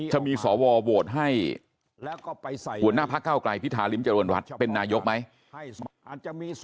จะมีสวโหวตให้หัวหน้าพักเก้าไกลพิธาริมเจริญรัฐเป็นนายกไหม